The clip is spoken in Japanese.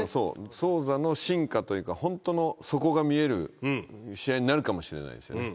ソウザの進化というかホントの底が見える試合になるかもしれないですね。